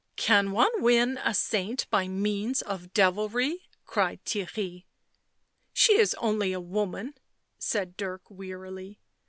" Can one win a saint by means of devilry ?" cried Theirry. " She is only a woman/' said Dirk wearily.